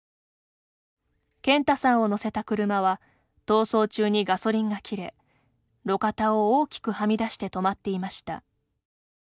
健太さんを乗せた車は逃走中にガソリンが切れ路肩を大きくはみ出して停まっていました。